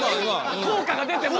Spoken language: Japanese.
効果が出てます。